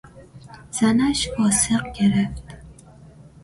زنش فاسق گرفت.